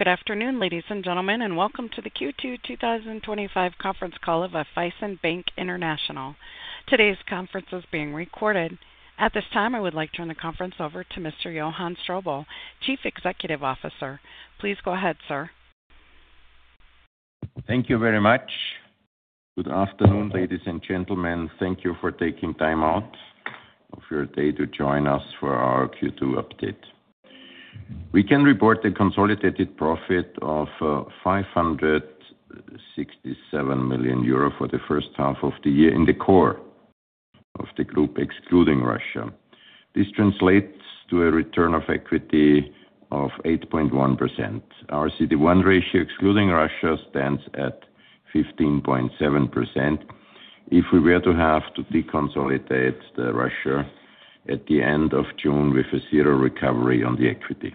Good afternoon, ladies and gentlemen, and welcome to the Q2 2025 conference call of Raiffeisen Bank International. Today's conference is being recorded. At this time, I would like to turn the conference over to Mr. Johann Strobl, Chief Executive Officer. Please go ahead, sir. Thank you very much. Good afternoon, ladies and gentlemen. Thank you for taking time out of your day to join us for our Q2 update. We can report a consolidated profit of 567 million euro for the first half of the year in the core of the group, excluding Russia. This translates to a return on equity of 8.1%. Our Common Equity Tier 1 ratio, excluding Russia, stands at 15.7%. If we were to have to deconsolidate Russia at the end of June with a zero recovery on the equity,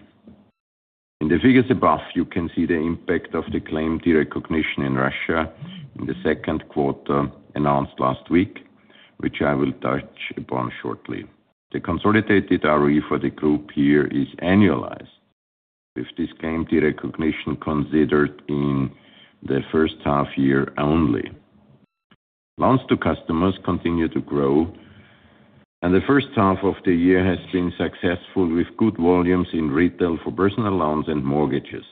in the figures above, you can see the impact of the claim to recognition in Russia in the second quarter announced last week, which I will touch upon shortly. The consolidated ROE for the group here is annualized, with this claim to recognition considered in the first half year only. Loans to customers continue to grow, and the first half of the year has been successful, with good volumes in retail for personal loans and mortgages,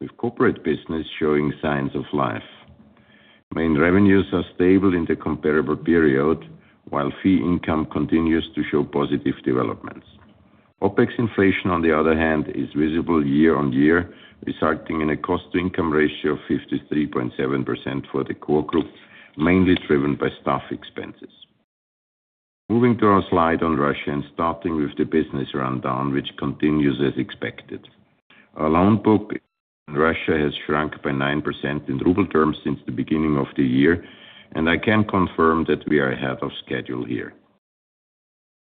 with corporate business showing signs of life. Main revenues are stable in the comparable period, while fee income continues to show positive developments. OpEx inflation, on the other hand, is visible year on year, resulting in a cost-to-income ratio of 53.7% for the core group, mainly driven by staff expenses. Moving to our slide on Russia and starting with the business rundown, which continues as expected. Our loan book in Russia has shrunk by 9% in ruble terms since the beginning of the year, and I can confirm that we are ahead of schedule here.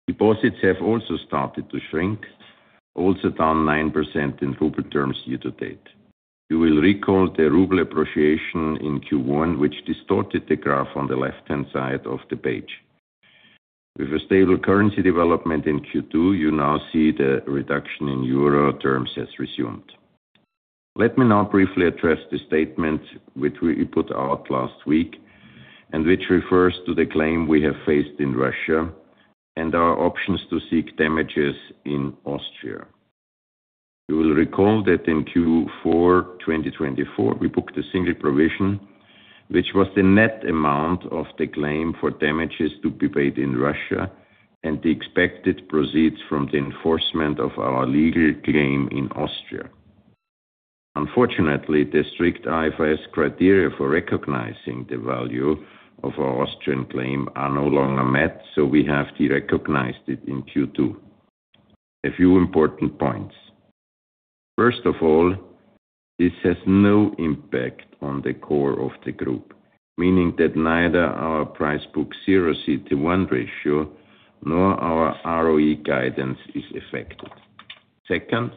Deposits have also started to shrink, also down 9% in ruble terms year to date. You will recall the ruble appreciation in Q1, which distorted the graph on the left-hand side of the page. With a stable currency development in Q2, you now see the reduction in euro terms has resumed. Let me now briefly address the statement which we put out last week and which refers to the claim we have faced in Russia and our options to seek damages in Austria. You will recall that in Q4 2024, we booked a single provision, which was the net amount of the claim for damages to be paid in Russia and the expected proceeds from the enforcement of our legal claim in Austria. Unfortunately, the strict IFRS criteria for recognizing the value of our Austrian claim are no longer met, so we have to recognize it in Q2. A few important points. First of all, this has no impact on the core of the group, meaning that neither our Price/Book zero CET1 ratio nor our ROE guidance is affected. Second,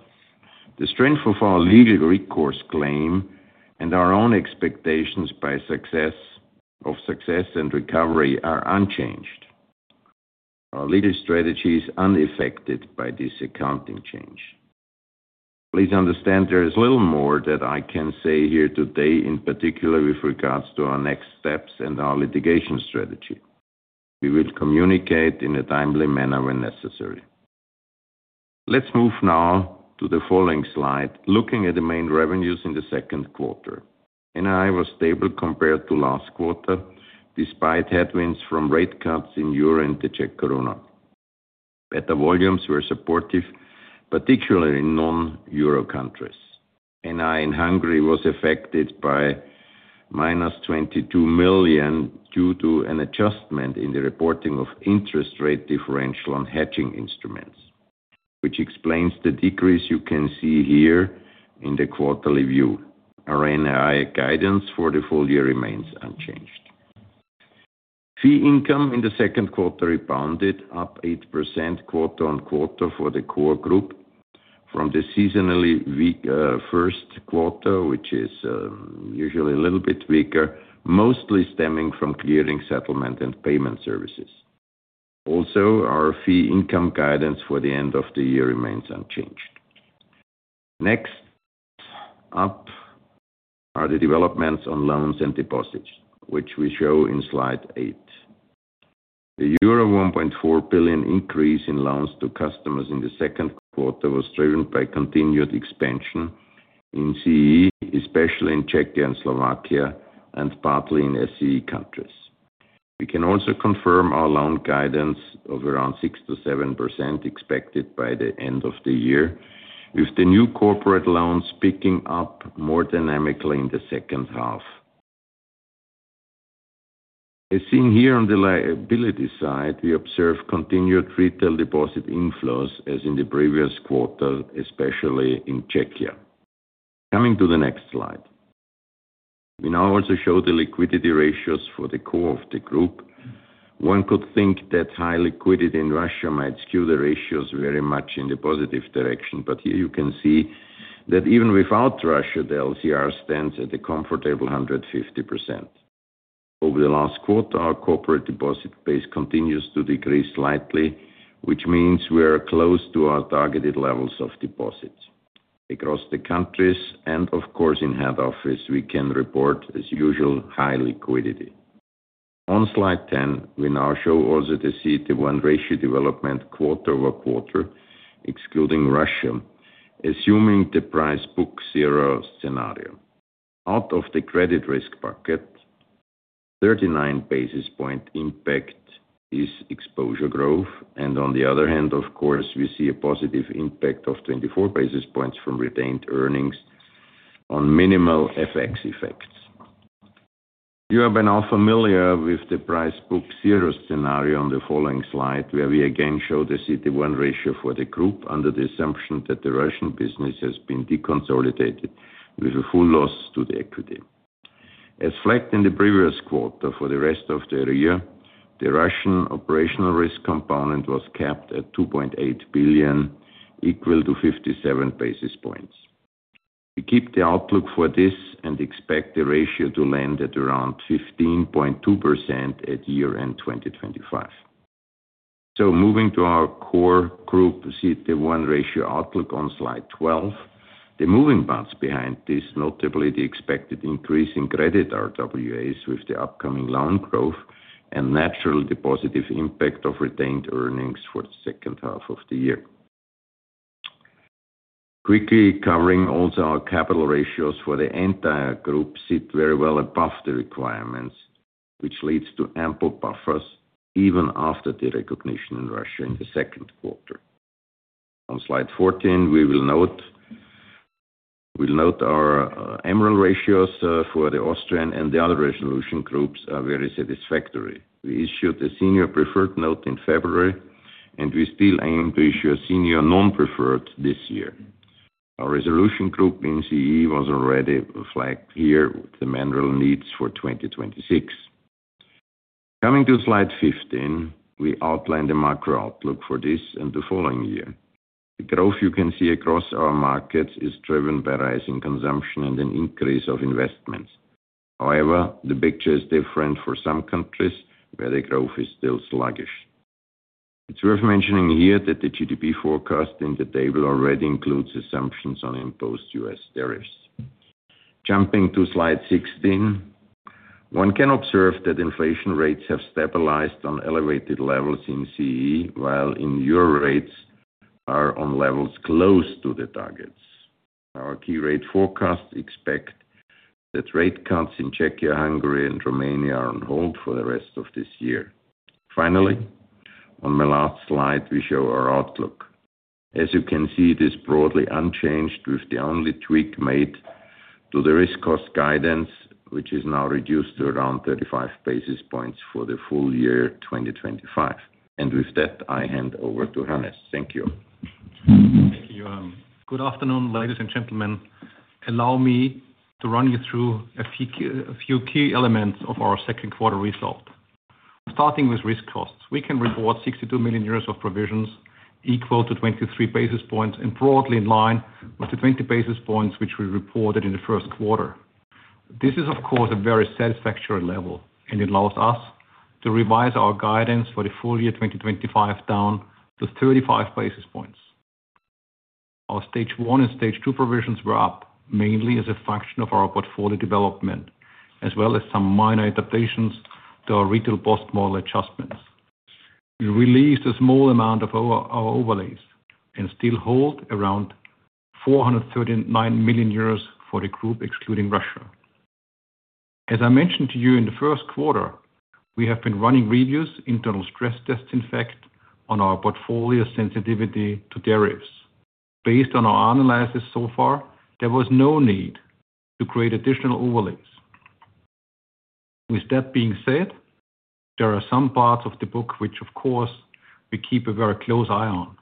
the strength of our legal recourse claim and our own expectations of. Success and recovery are unchanged. Our legal strategy is unaffected by this accounting change. Please understand there is little more that I can say here today, in particular with regards to our next steps and our litigation strategy. We will communicate in a timely manner when necessary. Let's move now to the following slide, looking at the main revenues in the second quarter. NI was stable compared to last quarter, despite headwinds from rate cuts in EUR and the Czech koruna. Better volumes were supportive, particularly in non-EUR countries. NI in Hungary was affected by -22 million due to an adjustment in the reporting of interest rate differential on hedging instruments, which explains the decrease you can see here in the quarterly view. Our NI guidance for the full year remains unchanged. Fee income in the second quarter rebounded, up 8% quarter on quarter for the core group from the seasonally weak first quarter, which is usually a little bit weaker, mostly stemming from clearing settlement and payment services. Also, our fee income guidance for the end of the year remains unchanged. Next up are the developments on loans and deposits, which we show in slide 8. The euro 1.4 billion increase in loans to customers in the second quarter was driven by continued expansion in Central and Eastern Europe, especially in Czechia and Slovakia, and partly in Southeast European countries. We can also confirm our loan guidance of around 6%-7% expected by the end of the year, with the new corporate loans picking up more dynamically in the second half. As seen here on the liability side, we observe continued retail deposit inflows as in the previous quarter, especially in Czechia. Coming to the next slide. We now also show the liquidity ratios for the core of the group. One could think that high liquidity in Russia might skew the ratios very much in the positive direction, but here you can see that even without Russia, the liquidity coverage ratio stands at a comfortable 150%. Over the last quarter, our corporate deposit base continues to decrease slightly, which means we are close to our targeted levels of deposits. Across the countries and, of course, in head office, we can report, as usual, high liquidity. On slide 10, we now show also the CET1 ratio development quarter over quarter, excluding Russia, assuming the Price/Book zero scenario. Out of the credit risk bucket, 39 basis point impact is exposure growth. On the other hand, of course, we see a positive impact of 24 basis points from retained earnings. On minimal FX effects. You are by now familiar with the Price/Book zero scenario on the following slide, where we again show the CET1 ratio for the group under the assumption that the Russian business has been deconsolidated with a full loss to the equity. As flagged in the previous quarter for the rest of the year, the Russian operational risk component was capped at 2.8 billion, equal to 57 basis points. We keep the outlook for this and expect the ratio to land at around 15.2% at year-end 2025. Moving to our core group CET1 ratio outlook on slide 12, the moving parts behind this, notably the expected increase in credit RWAs with the upcoming loan growth and natural positive impact of retained earnings for the second half of the year. Quickly covering also our capital ratios for the entire group sit very well above the requirements, which leads to ample buffers even after the recognition in Russia in the second quarter. On slide 14, we will note our MREL ratios for the Austrian and the other resolution groups are very satisfactory. We issued a senior preferred note in February, and we still aim to issue a senior non-preferred this year. Our resolution group in CEE was already flagged here with the MREL needs for 2026. Coming to slide 15, we outline the macro outlook for this and the following year. The growth you can see across our markets is driven by rising consumption and an increase of investments. However, the picture is different for some countries where the growth is still sluggish. It is worth mentioning here that the GDP forecast in the table already includes assumptions on imposed U.S. tariffs. Jumping to slide 16. One can observe that inflation rates have stabilized on elevated levels in CEE, while in euro rates are on levels close to the targets. Our key rate forecasts expect that rate cuts in Czechia, Hungary, and Romania are on hold for the rest of this year. Finally, on my last slide, we show our outlook. As you can see, it is broadly unchanged, with the only tweak made to the risk cost guidance, which is now reduced to around 35 basis points for the full year 2025. With that, I hand over to Hannes. Thank you. Thank you. Good afternoon, ladies and gentlemen. Allow me to run you through a few key elements of our second quarter result. Starting with risk costs, we can report 62 million euros of provisions equal to 23 basis points and broadly in line with the 20 basis points which we reported in the first quarter. This is, of course, a very satisfactory level, and it allows us to revise our guidance for the full year 2025 down to 35 basis points. Our stage one and stage two provisions were up mainly as a function of our portfolio development, as well as some minor adaptations to our retail post-model adjustments. We released a small amount of our overlays and still hold around 439 million euros for the group, excluding Russia. As I mentioned to you in the first quarter, we have been running reviews, internal stress tests, in fact, on our portfolio sensitivity to tariffs. Based on our analysis so far, there was no need to create additional overlays. With that being said, there are some parts of the book which, of course, we keep a very close eye on.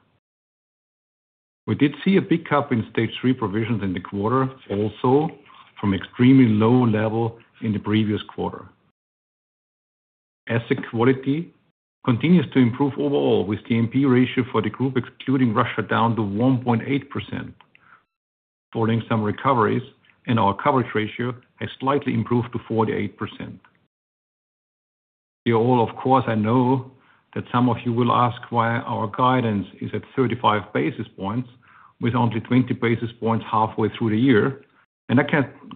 We did see a big cup in stage three provisions in the quarter, also from extremely low level in the previous quarter. Asset quality continues to improve overall, with the NP ratio for the group, excluding Russia, down to 1.8%. Following some recoveries, our coverage ratio has slightly improved to 48%. Here, of course, I know that some of you will ask why our guidance is at 35 basis points with only 20 basis points halfway through the year. I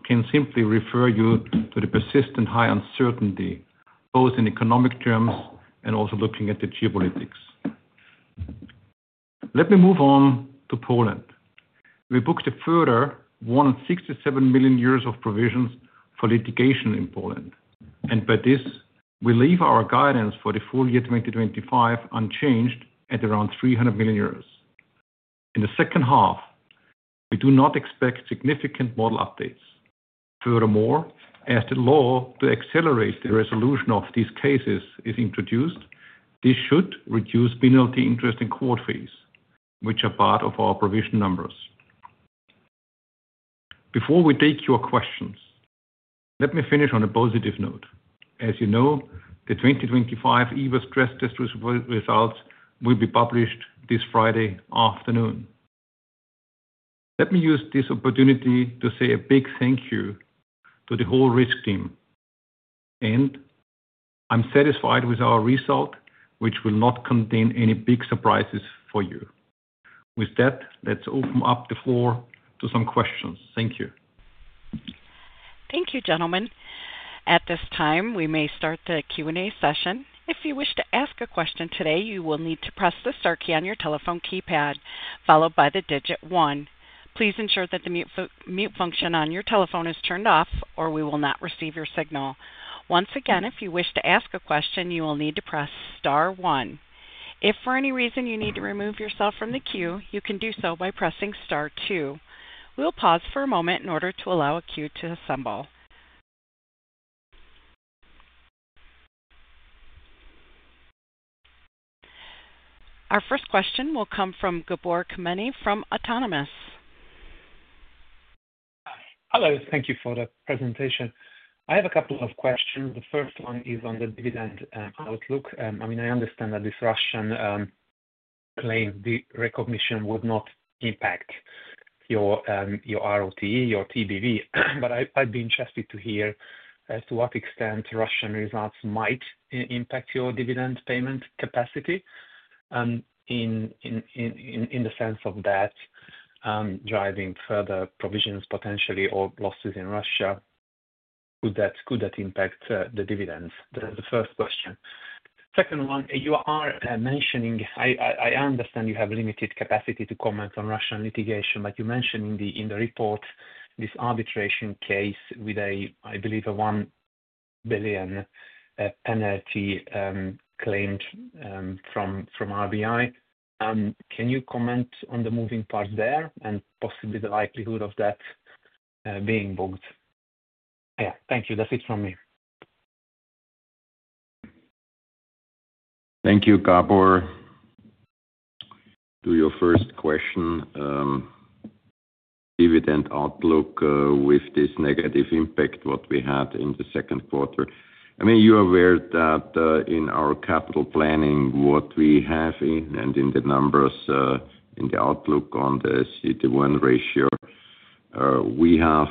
can simply refer you to the persistent high uncertainty, both in economic terms and also looking at the geopolitics. Let me move on to Poland. We booked a further 167 million euros of provisions for litigation in Poland. By this, we leave our guidance for the full year 2025 unchanged at around 300 million euros. In the second half, we do not expect significant model updates. Furthermore, as the law to accelerate the resolution of these cases is introduced, this should reduce penalty interest and court fees, which are part of our provision numbers. Before we take your questions, let me finish on a positive note. As you know, the 2025 EBIT stress test results will be published this Friday afternoon. Let me use this opportunity to say a big thank you to the whole risk team. I am satisfied with our result, which will not contain any big surprises for you. With that, let's open up the floor to some questions. Thank you. Thank you, gentlemen. At this time, we may start the Q&A session. If you wish to ask a question today, you will need to press the star key on your telephone keypad, followed by the digit one. Please ensure that the mute function on your telephone is turned off, or we will not receive your signal. Once again, if you wish to ask a question, you will need to press star one. If for any reason you need to remove yourself from the queue, you can do so by pressing star two. We'll pause for a moment in order to allow a queue to assemble. Our first question will come from Gabor Kemeny from Autonomous. Hello. Thank you for the presentation. I have a couple of questions. The first one is on the dividend outlook. I mean, I understand that this Russian claim recognition would not impact your ROTE, your TBV. But I'd be interested to hear to what extent Russian results might impact your dividend payment capacity. In the sense of that driving further provisions potentially or losses in Russia. Could that impact the dividends? That's the first question. Second one, you are mentioning, I understand you have limited capacity to comment on Russian litigation, but you mentioned in the report this arbitration case with a, I believe, a 1 billion penalty claimed from RBI. Can you comment on the moving parts there and possibly the likelihood of that being booked? Yeah, thank you. That's it from me. Thank you, Gabor. To your first question. Dividend outlook with this negative impact what we had in the second quarter. I mean, you are aware that in our capital planning, what we have in and in the numbers in the outlook on the CET1 ratio. We have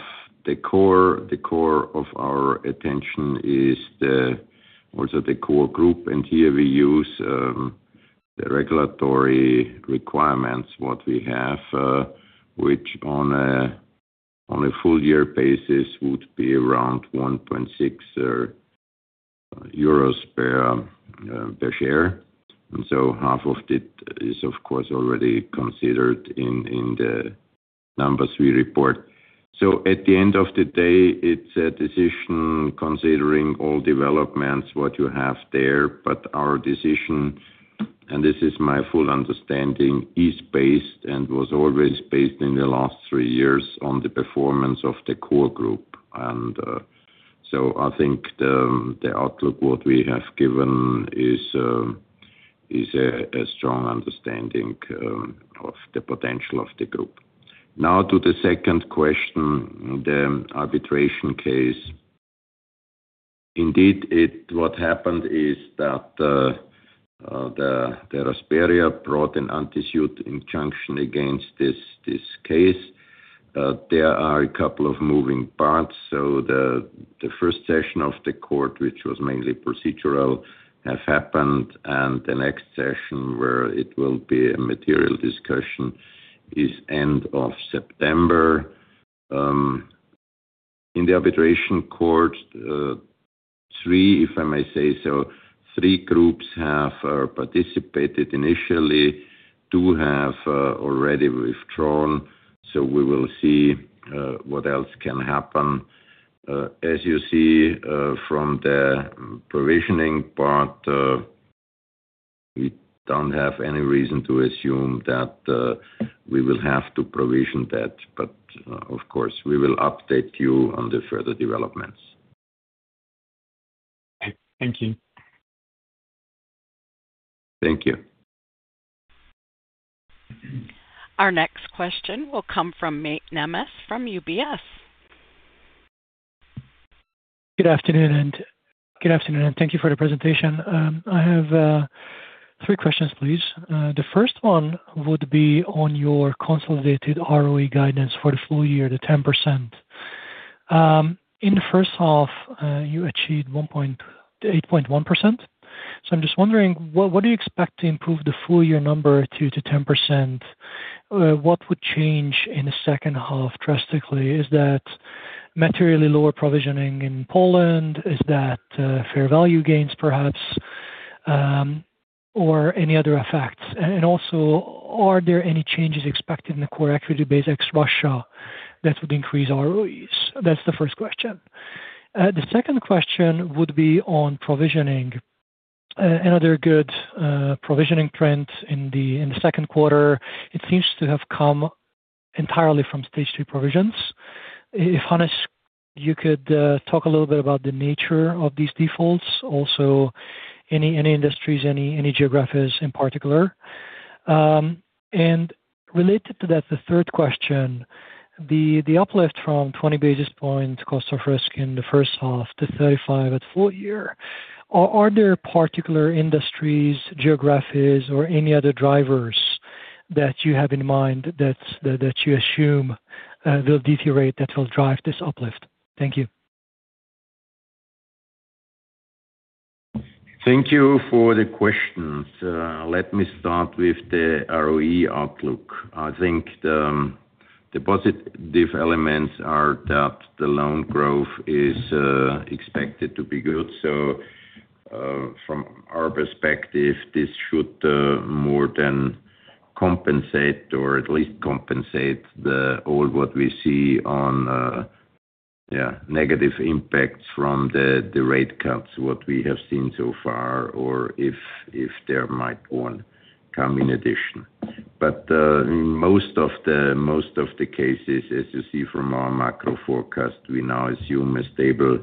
the core of our attention is. Also the core group. And here we use. The regulatory requirements what we have, which on. A full year basis would be around 1.6 euros per share. And so half of it is, of course, already considered in the numbers we report. At the end of the day, it is a decision considering all developments what you have there. Our decision, and this is my full understanding, is based and was always based in the last three years on the performance of the core group. I think the outlook what we have given is a strong understanding of the potential of the group. Now to the second question, the arbitration case. Indeed, what happened is that the Raspberry brought an anti-suit injunction against this case. There are a couple of moving parts. The first session of the court, which was mainly procedural, has happened. The next session, where it will be a material discussion, is end of September in the arbitration court. Three, if I may say so, three groups have participated initially, two have already withdrawn. We will see what else can happen. As you see from the provisioning part, we do not have any reason to assume that we will have to provision that. Of course, we will update you on the further developments. Okay. Thank you. Thank you. Our next question will come from Máté Nemes from UBS. Good afternoon. Thank you for the presentation. I have three questions, please. The first one would be on your consolidated ROE guidance for the full year, the 10%. In the first half, you achieved 8.1%. I am just wondering, what do you expect to improve the full year number to 10%? What would change in the second half drastically? Is that materially lower provisioning in Poland? Is that fair value gains, perhaps, or any other effects? Also, are there any changes expected in the core equity base ex-Russia that would increase ROEs? That is the first question. The second question would be on provisioning. Another good provisioning trend in the second quarter. It seems to have come entirely from stage three provisions. If Hannes, you could talk a little bit about the nature of these defaults, also, any industries, any geographies in particular. Related to that, the third question. The uplift from 20 basis points cost of risk in the first half to 35 at full year, are there particular industries, geographies, or any other drivers that you have in mind that you assume will deteriorate that will drive this uplift? Thank you. Thank you for the questions. Let me start with the ROE outlook. I think the positive elements are that the loan growth is expected to be good. From our perspective, this should more than compensate or at least compensate all what we see on negative impacts from the rate cuts what we have seen so far, or if there might one come in addition. In most of the cases, as you see from our macro forecast, we now assume a stable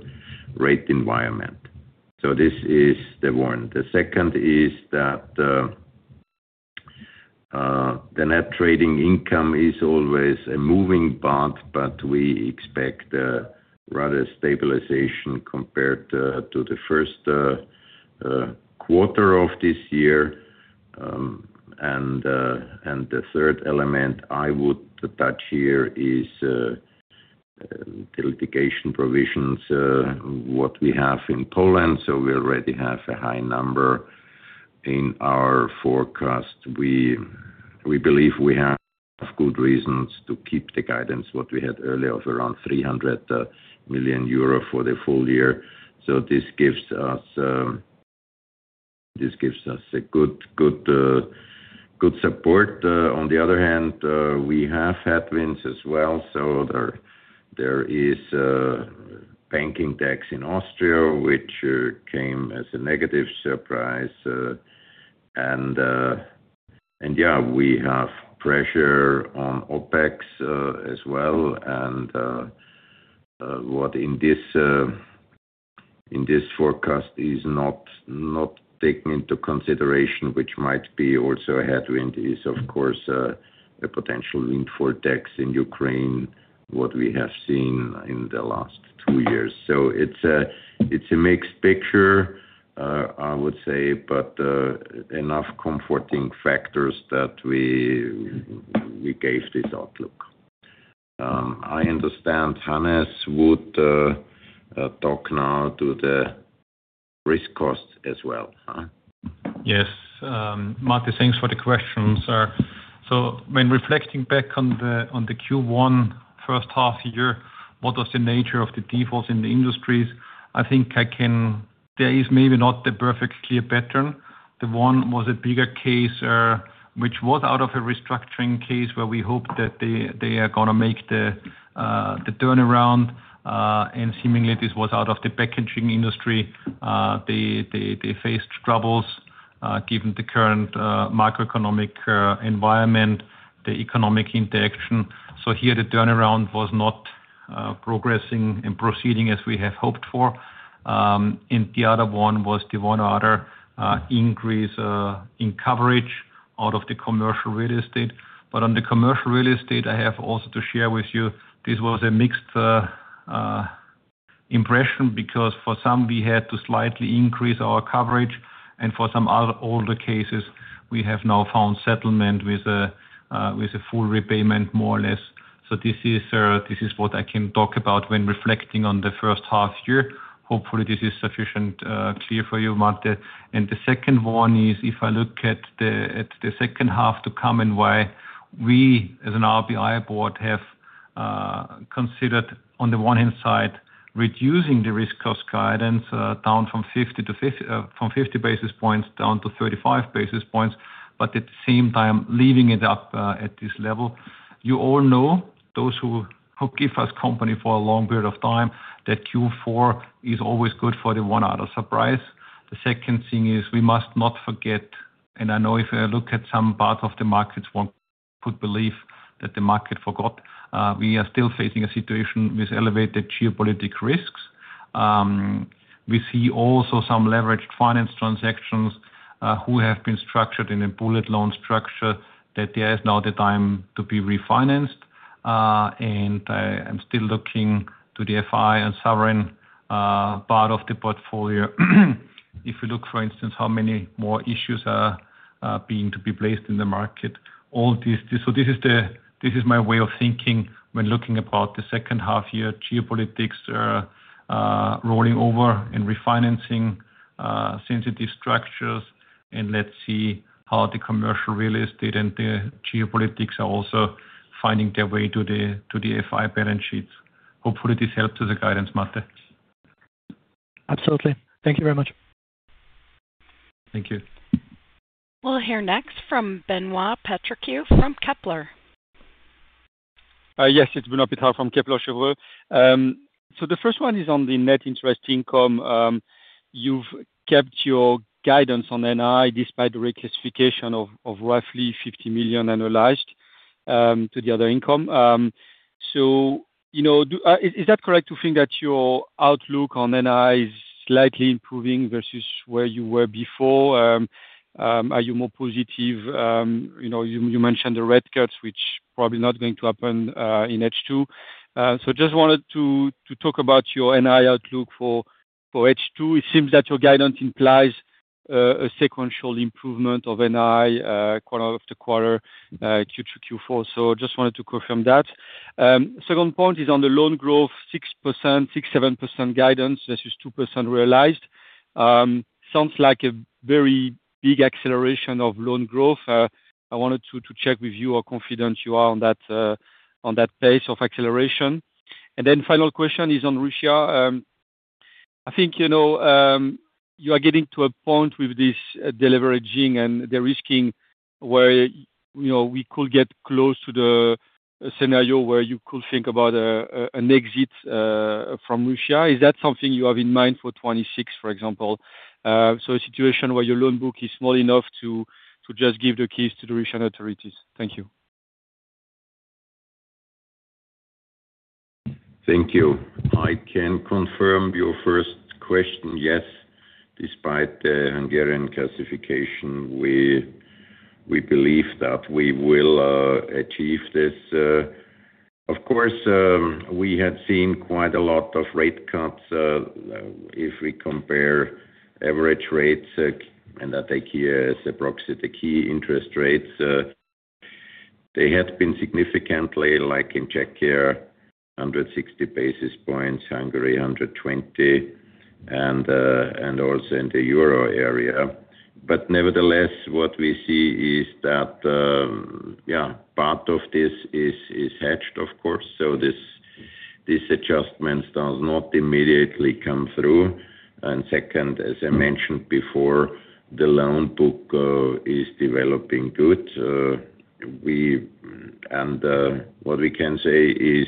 rate environment. This is the one. The second is that the net trading income is always a moving part, but we expect rather stabilization compared to the first quarter of this year. The third element I would touch here is the litigation provisions, what we have in Poland. We already have a high number in our forecast. We believe we have good reasons to keep the guidance what we had earlier of around 300 million euro for the full year. This gives us a good support. On the other hand, we have headwinds as well. There is banking tax in Austria, which came as a negative surprise. We have pressure on OpEx as well. What in this forecast is not taken into consideration, which might be also a headwind, is, of course, a potential windfall tax in Ukraine, what we have seen in the last two years. It is a mixed picture, I would say, but enough comforting factors that we gave this outlook. I understand Hannes would talk now to the risk costs as well. Yes. Máté, thanks for the questions. When reflecting back on the Q1 first half year, what was the nature of the defaults in the industries? I think there is maybe not the perfectly clear pattern. The one was a bigger case, which was out of a restructuring case where we hope that they are going to make the turnaround. And seemingly this was out of the packaging industry. They faced troubles given the current macroeconomic environment, the economic interaction. Here, the turnaround was not progressing and proceeding as we have hoped for. The other one was the one or other increase in coverage out of the commercial real estate. On the commercial real estate, I have also to share with you, this was a mixed impression because for some, we had to slightly increase our coverage. For some older cases, we have now found settlement with a full repayment, more or less. This is what I can talk about when reflecting on the first half year. Hopefully, this is sufficiently clear for you, Máté. The second one is, if I look at the second half to come and why we as an RBI board have considered, on the one hand side, reducing the risk cost guidance down from 50 basis points down to 35 basis points, but at the same time, leaving it up at this level. You all know, those who give us company for a long period of time, that Q4 is always good for the one or other surprise. The second thing is we must not forget, and I know if I look at some parts of the markets, one could believe that the market forgot. We are still facing a situation with elevated geopolitic risks. We see also some leveraged finance transactions who have been structured in a bullet loan structure, that there is now the time to be refinanced. I am still looking to the FI and sovereign part of the portfolio. If you look, for instance, how many more issues are being placed in the market. This is my way of thinking when looking about the second half year geopolitics. Rolling over and refinancing. Sensitive structures. Let's see how the commercial real estate and the geopolitics are also finding their way to the FI balance sheets. Hopefully, this helps to the guidance, Máté. Absolutely. Thank you very much. Thank you. We'll hear next from Benoît Pétrarque from Kepler. Yes, it's Benoît Pétrarque from Kepler Cheuvreux. The first one is on the net interest income. You've kept your guidance on NI despite the reclassification of roughly 50 million annualized to the other income. Is that correct to think that your outlook on NI is slightly improving versus where you were before? Are you more positive? You mentioned the rate cuts, which probably are not going to happen in H2. I just wanted to talk about your NI outlook for H2. It seems that your guidance implies a sequential improvement of NI quarter after quarter, Q2-Q4. I just wanted to confirm that. Second point is on the loan growth, 6%-7% guidance versus 2% realized. Sounds like a very big acceleration of loan growth. I wanted to check with you how confident you are on that pace of acceleration. Final question is on Russia. I think you are getting to a point with this deleveraging and de-risking where we could get close to the scenario where you could think about an exit from Russia. Is that something you have in mind for 2026, for example? A situation where your loan book is small enough to just give the keys to the Russian authorities. Thank you. Thank you. I can confirm your first question. Yes. Despite the Hungarian classification, we believe that we will achieve this. Of course, we had seen quite a lot of rate cuts. If we compare average rates, and I take here as approximate the key interest rates. They had been significantly, like in Czechia, 160 basis points, Hungary, 120. And also in the euro area. Nevertheless, what we see is that, yeah, part of this is hedged, of course. This adjustment does not immediately come through. Second, as I mentioned before, the loan book is developing good. What we can say is,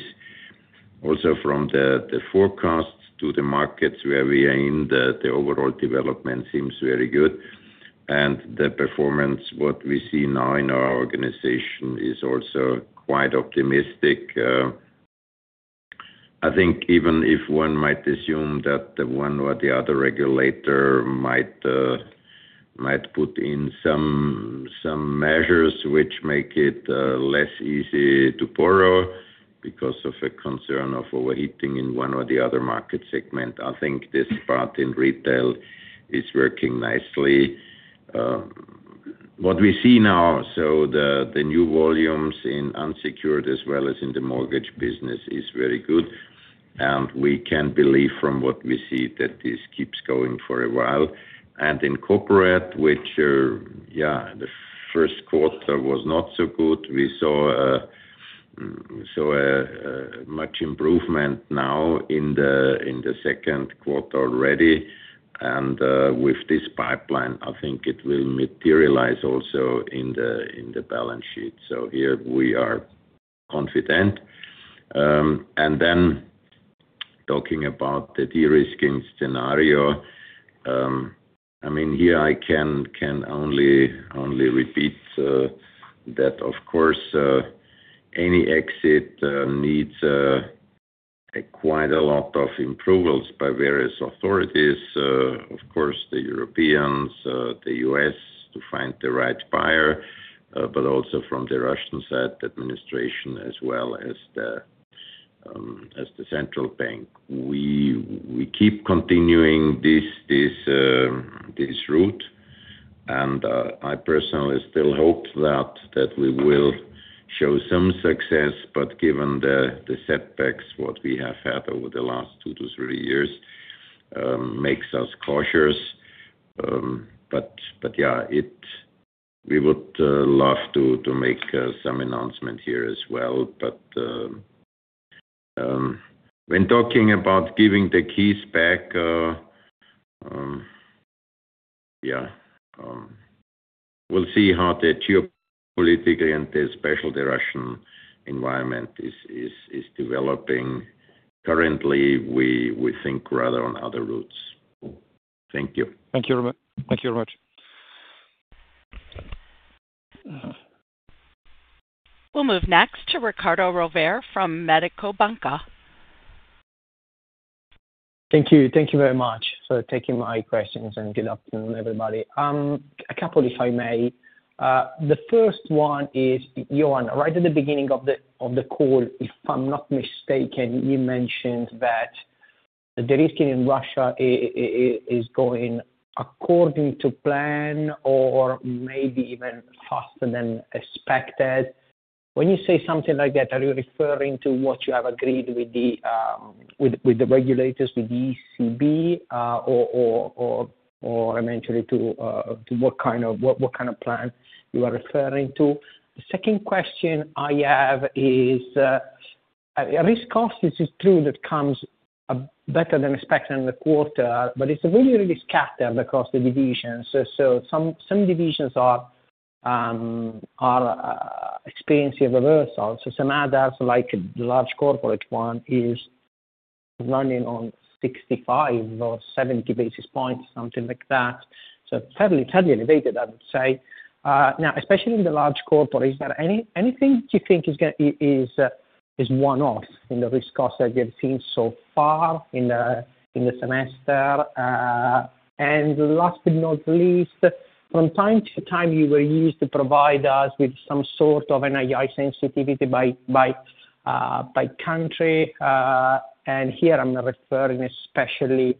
also from the forecast to the markets where we are in, the overall development seems very good. The performance, what we see now in our organization, is also quite optimistic. I think even if one might assume that one or the other regulator might put in some measures which make it less easy to borrow because of a concern of overheating in one or the other market segment, I think this part in retail is working nicely. What we see now, the new volumes in unsecured as well as in the mortgage business is very good. We can believe from what we see that this keeps going for a while. In corporate, which, yeah, the first quarter was not so good, we saw much improvement now in the second quarter already. With this pipeline, I think it will materialize also in the balance sheet. Here we are confident. Talking about the de-risking scenario, I mean, here I can only repeat that, of course, any exit needs quite a lot of improvements by various authorities. Of course, the Europeans, the U.S. to find the right buyer, but also from the Russian side administration as well as the central bank. We keep continuing this route. I personally still hope that we will show some success, but given the setbacks what we have had over the last two to three years makes us cautious. Yeah, we would love to make some announcement here as well. When talking about giving the keys back, yeah, we'll see how the geopolitically and especially the Russian environment is developing. Currently, we think rather on other routes. Thank you. Thank you very much. We'll move next to Riccardo Rovere from Mediobanca. Thank you. Thank you very much for taking my questions and good afternoon, everybody. A couple, if I may. The first one is, Johann, right at the beginning of the call, if I'm not mistaken, you mentioned that the risk in Russia is going according to plan or maybe even faster than expected. When you say something like that, are you referring to what you have agreed with the regulators, with the ECB, or eventually to what kind of plan you are referring to? The second question I have is, risk cost is true that comes better than expected in the quarter, but it's really, really scattered across the divisions. Some divisions are experiencing reversal, some others, like the large corporate one, are running on 65 basis points or 70 basis points, something like that. Fairly elevated, I would say. Now, especially in the large corporate, is there anything you think is one-off in the risk cost that you have seen so far in the semester? Last but not least, from time to time, you used to provide us with some sort of NII sensitivity by country. Here, I'm referring especially to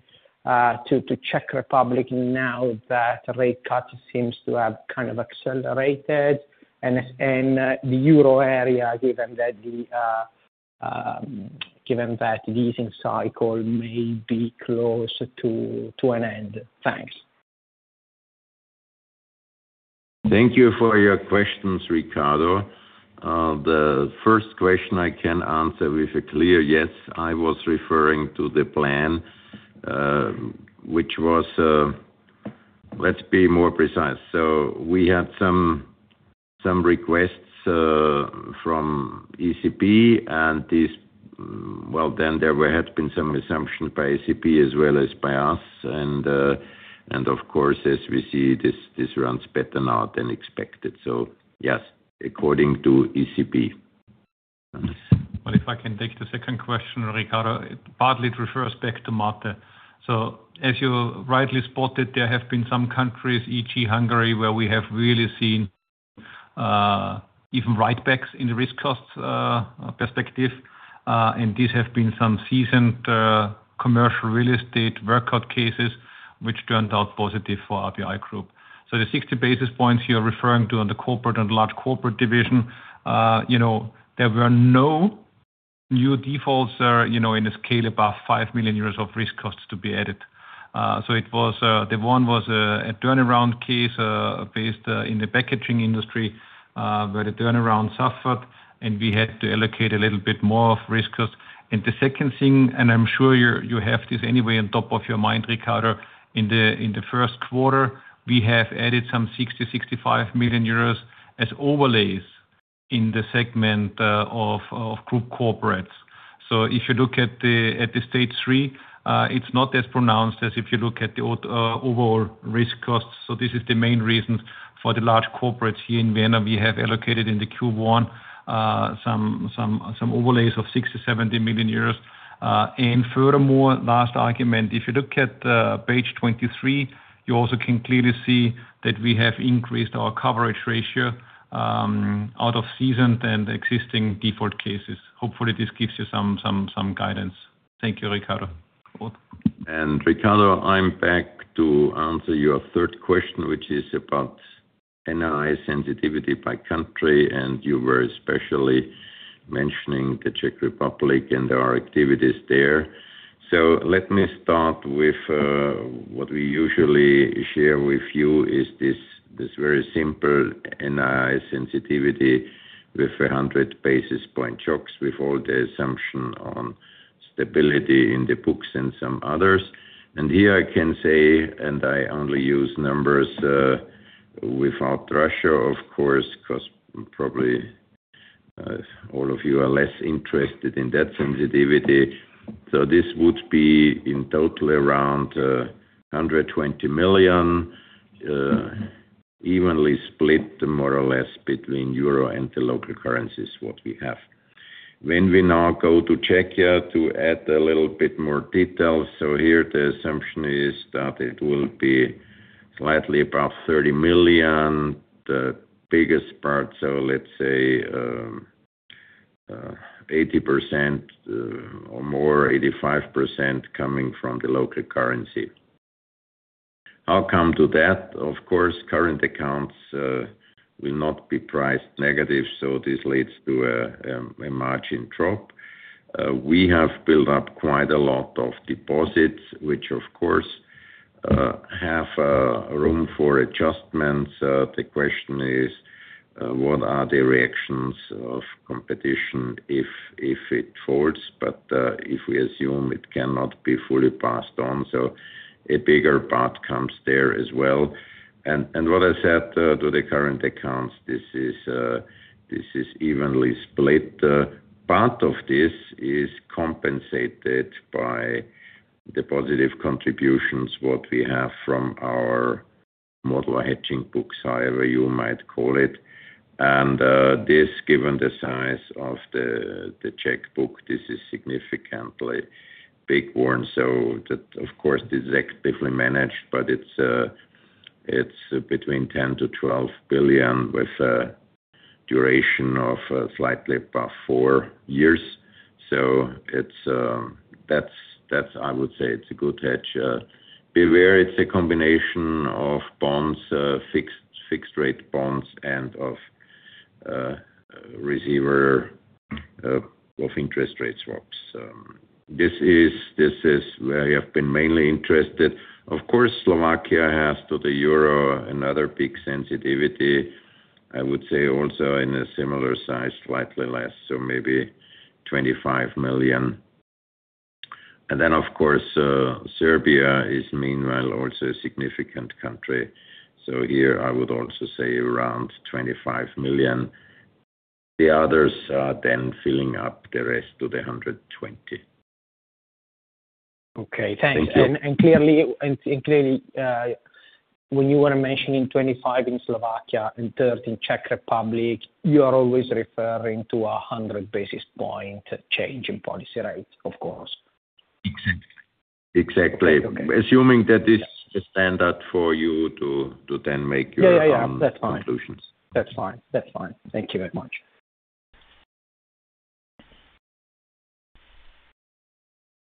Czechia now that rate cuts seem to have kind of accelerated, and the euro area, given that the easing cycle may be close to an end. Thanks. Thank you for your questions, Riccardo. The first question I can answer with a clear yes. I was referring to the plan. Which was, let's be more precise. We had some requests from ECP, and there had been some assumptions by ECP as well as by us. Of course, as we see, this runs better now than expected. Yes, according to ECP. If I can take the second question, Riccardo, partly it refers back to Máté. As you rightly spotted, there have been some countries, e.g., Hungary, where we have really seen even writebacks in the risk cost perspective. These have been some seasoned commercial real estate workout cases, which turned out positive for RBI Group. The 60 basis points you are referring to on the corporate and large corporate division, there were no new defaults in a scale above 5 million euros of risk costs to be added. The one was a turnaround case based in the packaging industry where the turnaround suffered, and we had to allocate a little bit more of risk cost. The second thing, and I am sure you have this anyway on top of your mind, Ricardo, in the first quarter, we have added some 60 million-65 million euros as overlays in the segment of group corporates. If you look at the stage three, it is not as pronounced as if you look at the overall risk costs. This is the main reason for the large corporates here in Vienna. We have allocated in Q1 some overlays of 60 million-70 million euros. Furthermore, last argument, if you look at page 23, you also can clearly see that we have increased our coverage ratio out of season than the existing default cases. Hopefully, this gives you some guidance. Thank you, Riccardo. Riccardo, I am back to answer your third question, which is about NII sensitivity by country, and you were especially mentioning the Czech Republic and our activities there. Let me start with what we usually share with you, which is this very simple NII sensitivity with 100 basis point shocks with all the assumptions on stability in the books and some others. Here I can say, and I only use numbers without Russia, of course, because probably all of you are less interested in that sensitivity. This would be in total around 120 million, evenly split more or less between euro and the local currencies, what we have. When we now go to Czechia to add a little bit more detail, here the assumption is that it will be slightly above 30 million, the biggest part, so let's say 80% or more, 85% coming from the local currency. How come to that? Of course, current accounts will not be priced negative, so this leads to a margin drop. We have built up quite a lot of deposits, which, of course, have room for adjustments. The question is, what are the reactions of competition if it falls? If we assume it cannot be fully passed on, a bigger part comes there as well. What I said to the current accounts, this is evenly split. Part of this is compensated by the positive contributions we have from our mortal hedging books, however you might call it. Given the size of the Czech book, this is a significantly big one. This is actively managed, but it is between 10 billion-12 billion with a duration of slightly above four years. I would say it is a good hedge. Beware, it is a combination of bonds, fixed-rate bonds, and of receiver of interest rate swaps. This is where we have been mainly interested. Slovakia has to the euro another big sensitivity. I would say also in a similar size, slightly less, so maybe 25 million. Serbia is meanwhile also a significant country. Here, I would also say around 25 million. The others are then filling up the rest to the 120 million. Okay. Thanks. Clearly, when you were mentioning 25 in Slovakia and 30 in Czech Republic, you are always referring to a 100 basis point change in policy rate, of course. Exactly. Assuming that this is the standard for you to then make your conclusions. Yeah. That's fine. Thank you very much.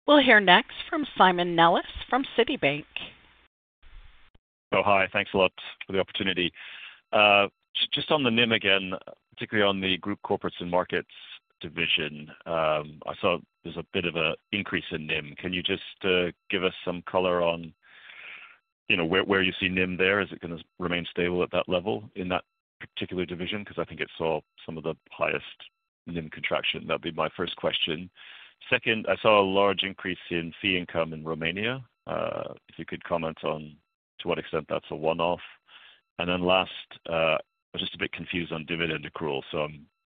We'll hear next from Simon Nellis from Citibank. Oh, hi. Thanks a lot for the opportunity. Just on the NIM again, particularly on the group corporates and markets division. I saw there is a bit of an increase in NIM. Can you just give us some color on where you see NIM there? Is it going to remain stable at that level in that particular division? Because I think it saw some of the highest NIM contraction. That would be my first question. Second, I saw a large increase in fee income in Romania. If you could comment on to what extent that is a one-off. And then last, I am just a bit confused on dividend accrual.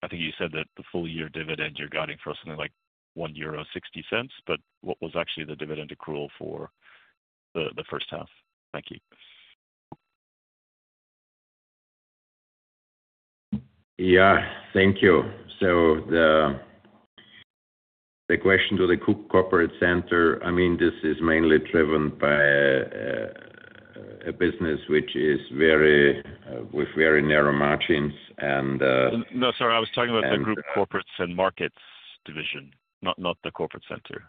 I think you said that the full-year dividend you are guiding for something like 1.60 euro, but what was actually the dividend accrual for the first half? Thank you. Yeah. Thank you. The question to the group corporate center, I mean, this is mainly driven by a business which is with very narrow margins. No, sorry. I was talking about the group corporates and markets division, not the corporate center,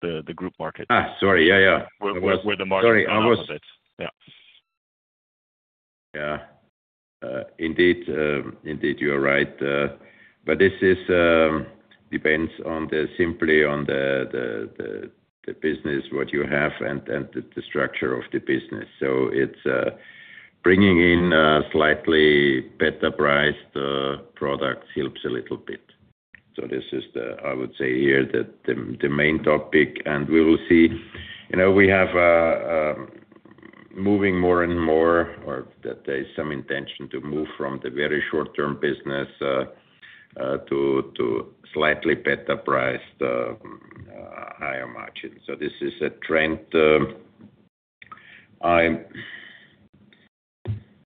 the group markets. Sorry. Yeah, yeah. We're the markets and markets. Yeah. Yeah. Indeed. You're right. This depends simply on the business you have and the structure of the business. Bringing in slightly better-priced products helps a little bit. This is, I would say, here the main topic. We will see. We have moving more and more, or there is some intention to move from the very short-term business to slightly better-priced, higher margins. This is a trend.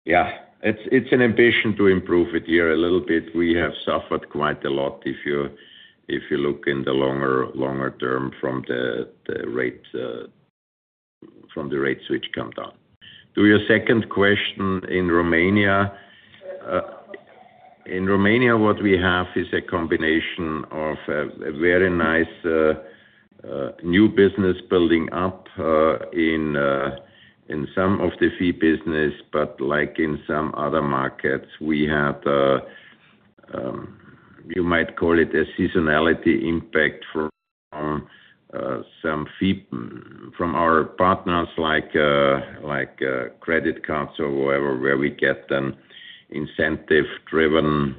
Yeah. It's an ambition to improve it here a little bit. We have suffered quite a lot if you look in the longer term from the rate switch come down. To your second question, in Romania, what we have is a combination of a very nice new business building up in some of the fee business, but like in some other markets, we had, you might call it a seasonality impact from some fee from our partners like credit cards or whatever, where we get an incentive-driven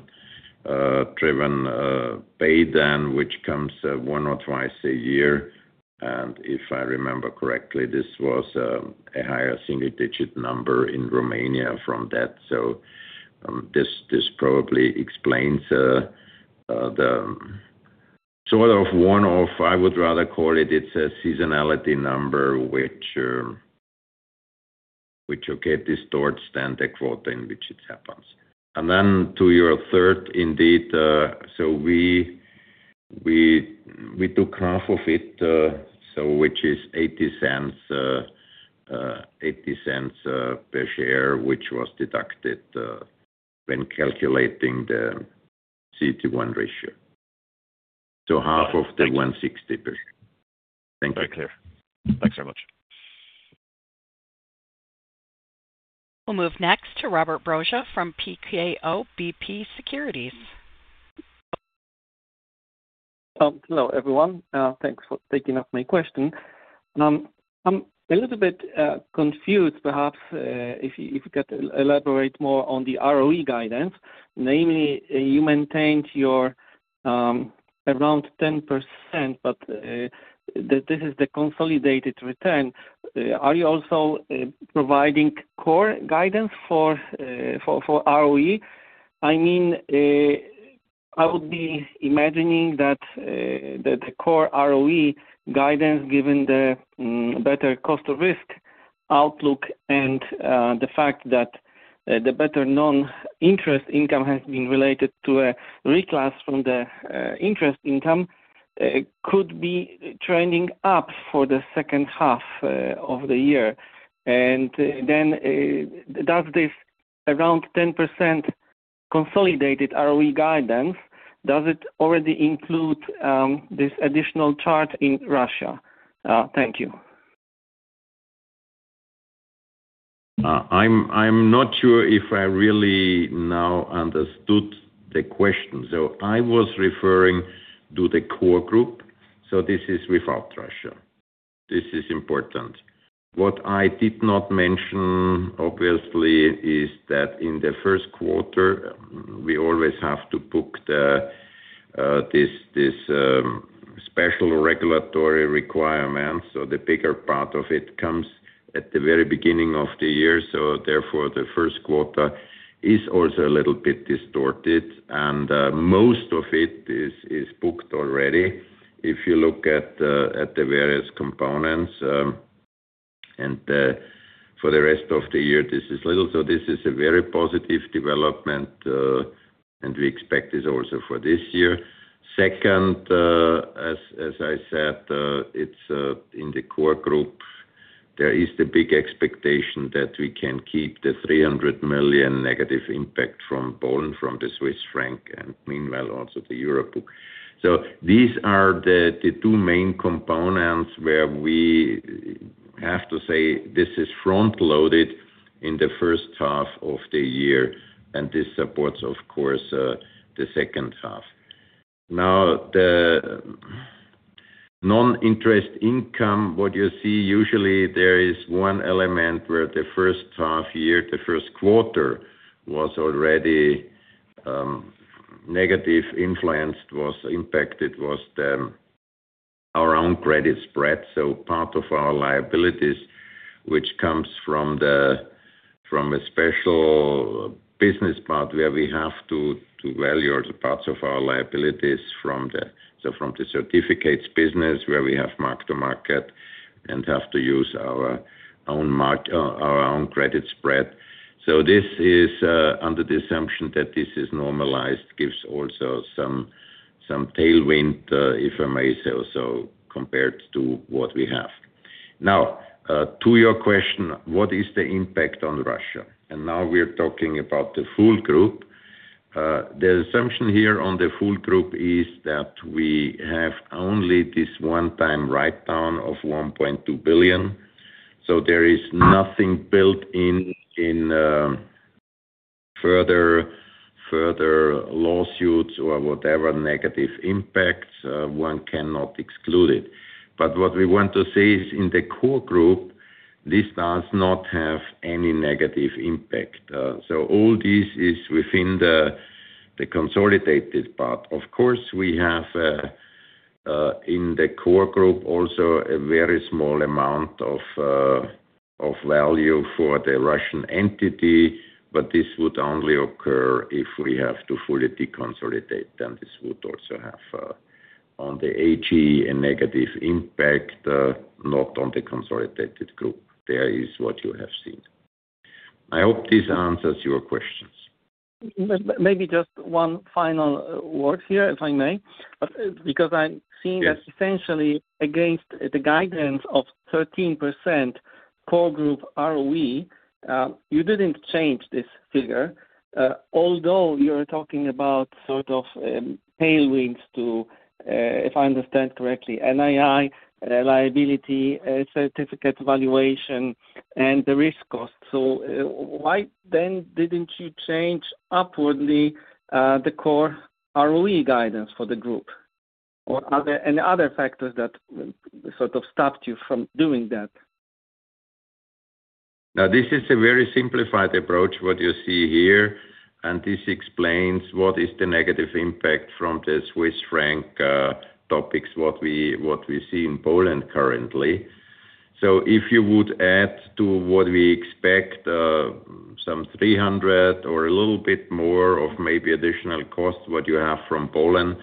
paydown, which comes one or twice a year. If I remember correctly, this was a higher single-digit number in Romania from that. This probably explains the sort of one-off, I would rather call it, it's a seasonality number, which, okay, this towards then the quarter in which it happens. To your third, indeed, we took half of it, which is 0.80 per share, which was deducted when calculating the CET1 ratio. Half of the 1.60 per share. Thank you. Thank you. Thanks very much. We'll move next to Robert Brzoza from PKO BP Securities. Hello, everyone. Thanks for taking up my question. I'm a little bit confused, perhaps, if you could elaborate more on the ROE guidance. Namely, you maintained your around 10%, but this is the consolidated return. Are you also providing core guidance for ROE? I mean, I would be imagining that the core ROE guidance, given the better cost of risk outlook and the fact that the better non-interest income has been related to a reclass from the interest income, could be trending up for the second half of the year. Does this around 10% consolidated ROE guidance, does it already include this additional charge in Russia? Thank you. I'm not sure if I really now understood the question. I was referring to the core group. This is without Russia. This is important. What I did not mention, obviously, is that in the first quarter, we always have to book this special regulatory requirements. The bigger part of it comes at the very beginning of the year. Therefore, the first quarter is also a little bit distorted, and most of it is booked already. If you look at the various components, for the rest of the year, this is little. This is a very positive development, and we expect this also for this year. Second, as I said, in the core group, there is the big expectation that we can keep the 300 million negative impact from BON, from the Swiss franc, and meanwhile also the euro book. These are the two main components where we have to say this is front-loaded in the first half of the year, and this supports, of course, the second half. Now, the non-interest income, what you see usually, there is one element where the first half year, the first quarter, was already negatively influenced, was impacted, was our own credit spread. Part of our liabilities, which comes from a special business part where we have to value the parts of our liabilities, from the certificates business, where we have mark-to-market and have to use our own credit spread. Under the assumption that this is normalized, gives also some tailwind, if I may say, also compared to what we have. Now, to your question, what is the impact on Russia? Now we're talking about the full group. The assumption here on the full group is that we have only this one-time write-down of 1.2 billion. There is nothing built in, further lawsuits or whatever negative impacts. One cannot exclude it, but what we want to say is in the core group, this does not have any negative impact. All this is within the consolidated part. Of course, we have in the core group also a very small amount of value for the Russian entity, but this would only occur if we have to fully deconsolidate, and this would also have on the AG a negative impact, not on the consolidated group. There is what you have seen. I hope this answers your questions. Maybe just one final word here, if I may. Because I'm seeing that essentially against the guidance of 13%. Core group ROE, you didn't change this figure. Although you're talking about sort of tailwinds to, if I understand correctly, NII, liability, certificate valuation, and the risk cost. So why then didn't you change upwardly the core ROE guidance for the group? Or are there any other factors that sort of stopped you from doing that? Now, this is a very simplified approach, what you see here. This explains what is the negative impact from the Swiss franc topics, what we see in Poland currently. If you would add to what we expect, some 300 million or a little bit more of maybe additional cost, what you have from Poland,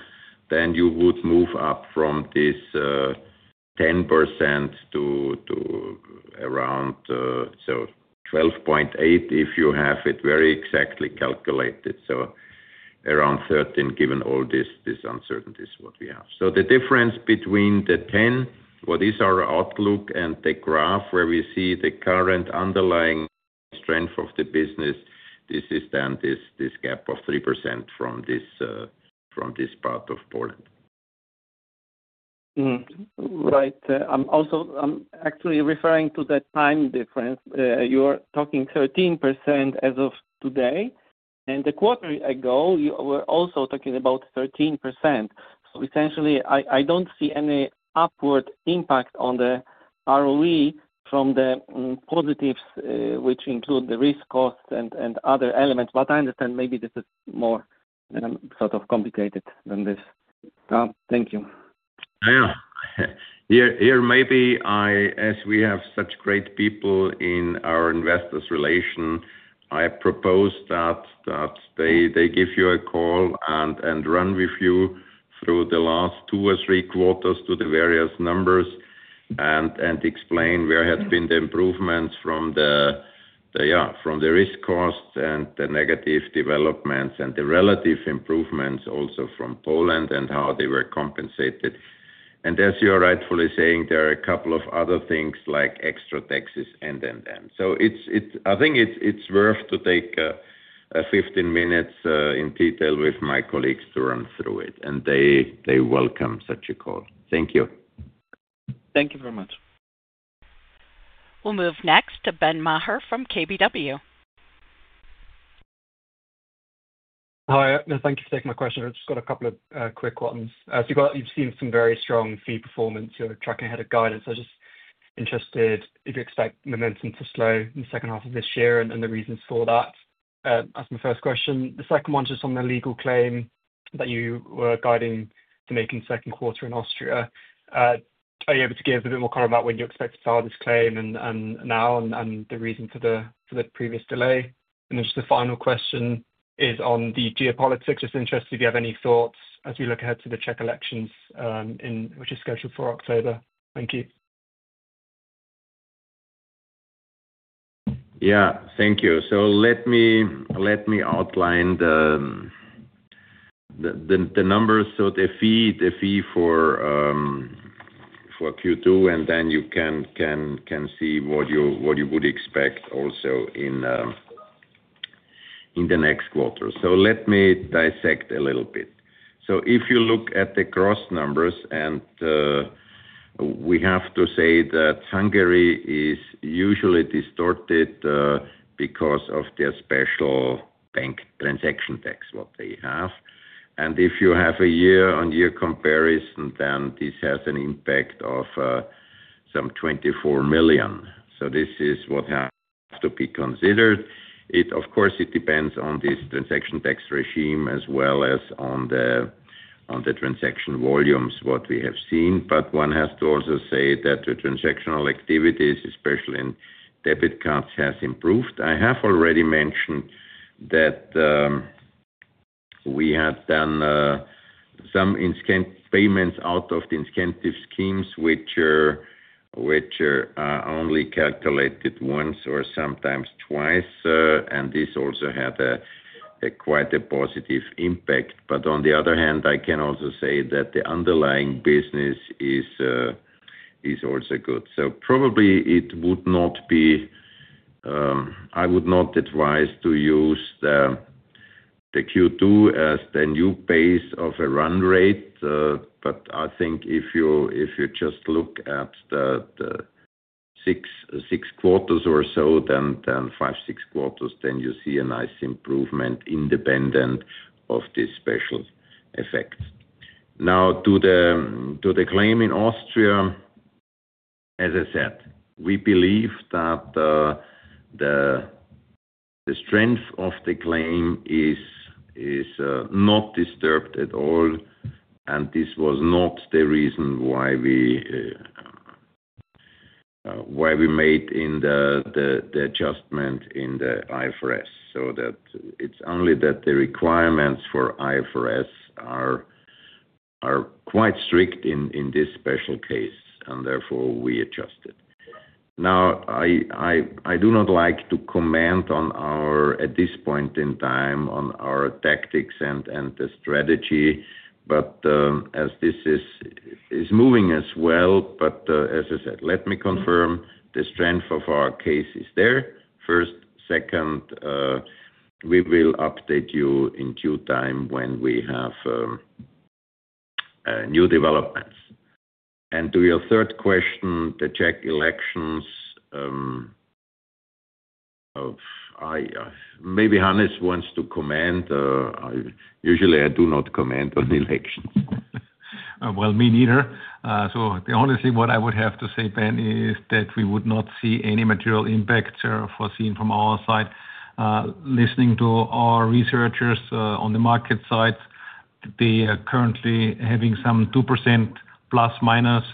then you would move up from this 10% to around 12.8% if you have it very exactly calculated. Around 13%, given all this uncertainty, is what we have. The difference between the 10%, what is our outlook, and the graph where we see the current underlying strength of the business, this is then this gap of 3% from this part of Poland. Right. I'm actually referring to the time difference. You're talking 13% as of today. And the quarter ago, you were also talking about 13%. So essentially, I don't see any upward impact on the ROE from the positives, which include the risk costs and other elements. But I understand maybe this is more sort of complicated than this. Thank you. Yeah. Here maybe I, as we have such great people in our investors' relation, I propose that they give you a call and run with you through the last two or three quarters to the various numbers and explain where have been the improvements from the, yeah, from the risk costs and the negative developments and the relative improvements also from Poland and how they were compensated. As you are rightfully saying, there are a couple of other things like extra taxes and then, then. I think it's worth to take 15 minutes in detail with my colleagues to run through it. They welcome such a call. Thank you. Thank you very much. We'll move next to Ben Maher from KBW Hi. Thank you for taking my question. I just got a couple of quick ones. You have seen some very strong fee performance tracking ahead of guidance. I am just interested if you expect momentum to slow in the second half of this year and the reasons for that. That is my first question. The second one is just on the legal claim that you were guiding to make in the second quarter in Austria. Are you able to give a bit more color about when you expect to file this claim now and the reason for the previous delay? Then just the final question is on the geopolitics. Just interested if you have any thoughts as we look ahead to the Czech elections, which is scheduled for October. Thank you. Yeah. Thank you. Let me outline the numbers. The fee for Q2, and then you can see what you would expect also in the next quarter. Let me dissect a little bit. If you look at the cross numbers, we have to say that Hungary is usually distorted because of their special bank transaction tax, what they have. If you have a year-on-year comparison, then this has an impact of 24 million. This is what has to be considered. Of course, it depends on this transaction tax regime as well as on the transaction volumes, what we have seen. One has to also say that the transactional activities, especially in debit cards, have improved. I have already mentioned that we had done some payments out of the incentive schemes, which are only calculated once or sometimes twice. This also had quite a positive impact. On the other hand, I can also say that the underlying business is also good. Probably it would not be—I would not advise to use the Q2 as the new base of a run rate. I think if you just look at the six quarters or so, then five, six quarters, then you see a nice improvement independent of this special effect. Now, to the claim in Austria. As I said, we believe that the strength of the claim is not disturbed at all. This was not the reason why we made the adjustment in the IFRS. It is only that the requirements for IFRS are quite strict in this special case, and therefore we adjusted. I do not like to comment at this point in time on our tactics and the strategy, as this is moving as well, but as I said, let me confirm the strength of our case is there. First, second, we will update you in due time when we have new developments. To your third question, the Czech elections. Maybe Hannes wants to comment. Usually, I do not comment on elections. Honestly, what I would have to say, Ben, is that we would not see any material impact foreseen from our side. Listening to our researchers on the market side, they are currently having some 2% plus minus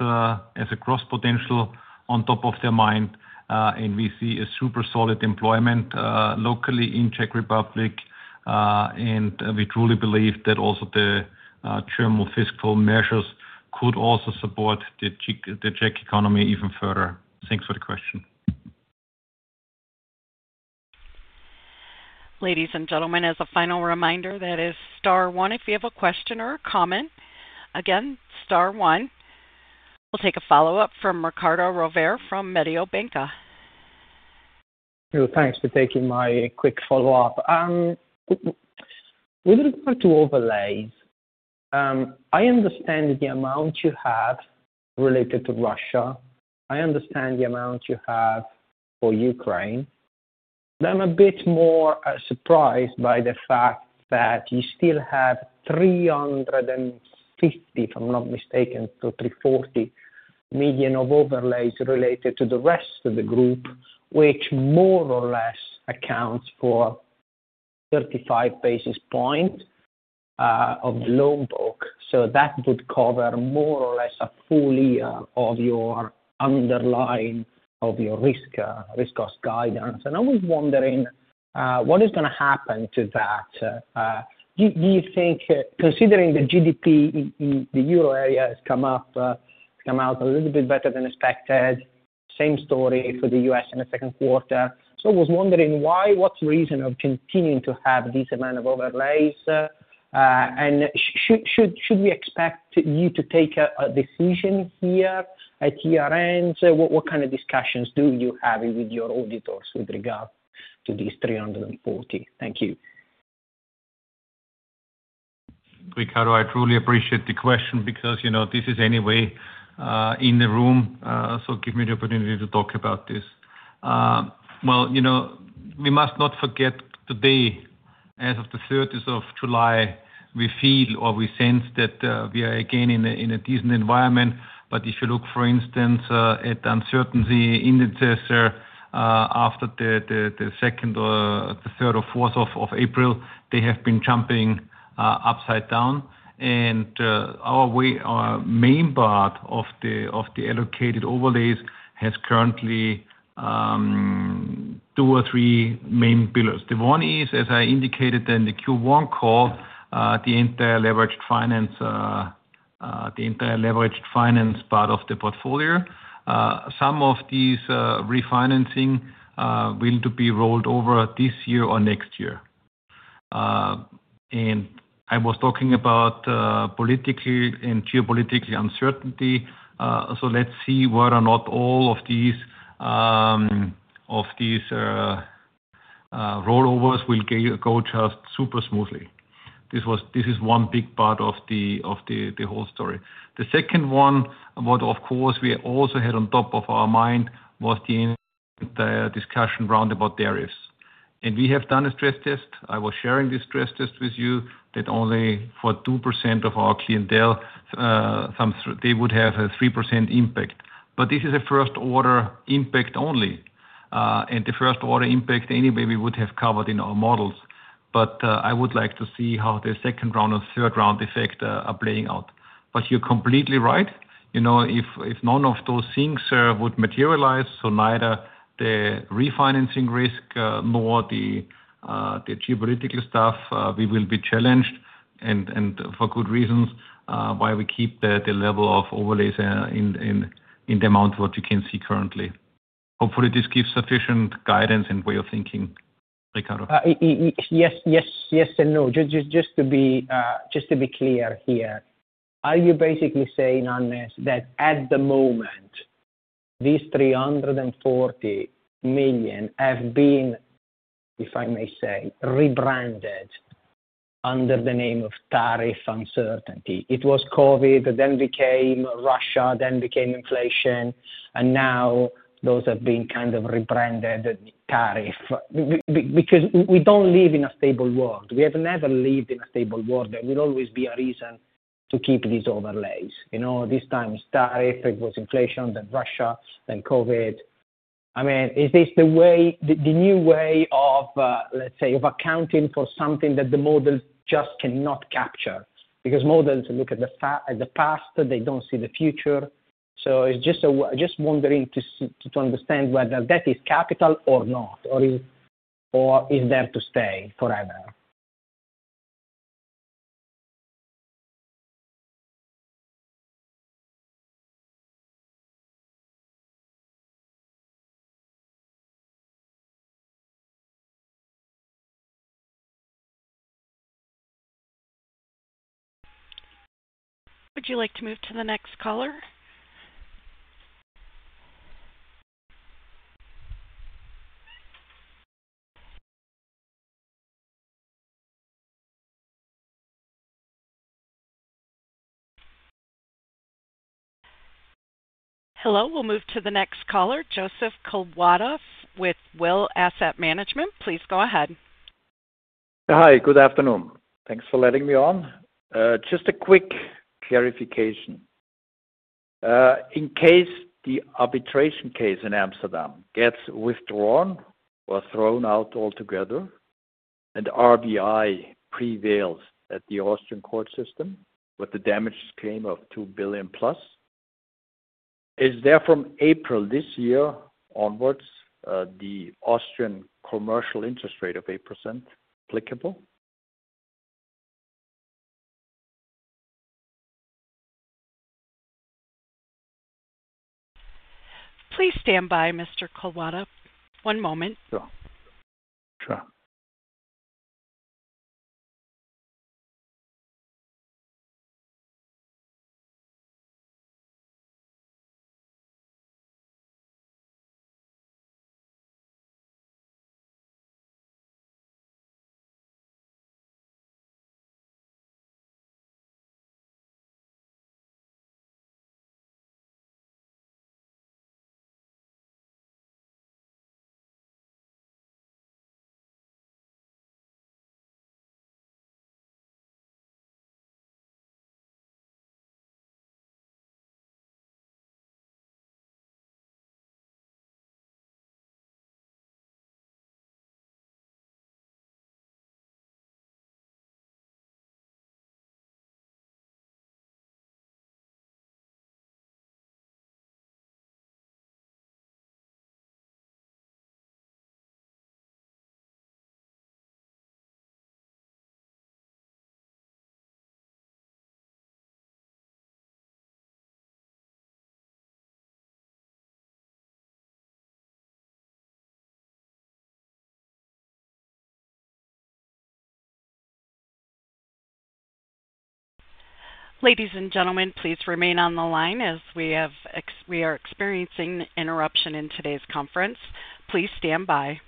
as a cross potential on top of their mind. We see a super solid employment locally in Czechia. We truly believe that also the German fiscal measures could also support the Czech economy even further. Thanks for the question. Ladies and gentlemen, as a final reminder, that is star one if you have a question or a comment. Again, star one. We'll take a follow-up from Riccardo Rovere from Mediobanca. Thanks for taking my quick follow-up. With regard to overlays. I understand the amount you have related to Russia. I understand the amount you have for Ukraine. I am a bit more surprised by the fact that you still have 350 million, if I am not mistaken, to 340 million of overlays related to the rest of the group, which more or less accounts for 35 basis points of the loan book. That would cover more or less a full year of your underlying risk cost guidance. I was wondering what is going to happen to that. Do you think, considering the GDP in the euro area has come out a little bit better than expected, same story for the U.S. in the second quarter? I was wondering why, what is the reason of continuing to have this amount of overlays? Should we expect you to take a decision here at year-end? What kind of discussions do you have with your auditors with regard to these 340 million? Thank you. Riccardo, I truly appreciate the question because this is anyway in the room. So give me the opportunity to talk about this. We must not forget today, as of the 30th of July, we feel or we sense that we are again in a decent environment. If you look, for instance, at the uncertainty indices, after the second or the third or fourth of April, they have been jumping upside down. Our main part of the allocated overlays has currently two or three main pillars. The one is, as I indicated in the Q1 call, the entire leveraged finance part of the portfolio. Some of these refinancing will be rolled over this year or next year. I was talking about politically and geopolitically uncertainty. Let's see whether or not all of these rollovers will go just super smoothly. This is one big part of the whole story. The second one, what of course we also had on top of our mind, was the entire discussion round about tariffs. We have done a stress test. I was sharing this stress test with you that only for 2% of our clientele, they would have a 3% impact. This is a first-order impact only, and the first-order impact anyway we would have covered in our models. I would like to see how the second round and third round effect are playing out. You're completely right. If none of those things would materialize, so neither the refinancing risk nor the geopolitical stuff, we will be challenged. For good reasons why we keep the level of overlays in the amount what you can see currently. Hopefully, this gives sufficient guidance and way of thinking, Riccardo. Yes, yes, yes, and no. Just to be clear here, are you basically saying, Hannes, that at the moment these 340 million have been, if I may say, rebranded under the name of tariff uncertainty? It was COVID, then became Russia, then became inflation. And now those have been kind of rebranded tariff. Because we do not live in a stable world. We have never lived in a stable world. There will always be a reason to keep these overlays. This time it is tariff, it was inflation, then Russia, then COVID. I mean, is this the new way of, let's say, of accounting for something that the model just cannot capture? Because models look at the past, they do not see the future. I am just wondering to understand whether that is capital or not, or is there to stay forever. Would you like to move to the next caller? Hello. We'll move to the next caller, Joseph Kalwoda with Will Asset Management. Please go ahead. Hi. Good afternoon. Thanks for letting me on. Just a quick clarification. In case the arbitration case in Amsterdam gets withdrawn or thrown out altogether. If RBI prevails at the Austrian court system with the damages claim of 2 billion plus, is there from April this year onwards the Austrian commercial interest rate of 8% applicable? Please stand by, Mr. Kalwoda. One moment. Sure. Ladies and gentlemen, please remain on the line as we are experiencing interruption in today's conference. Please stand by.